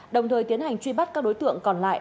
đồng thời tiến hành truy bắt các đối tượng còn lại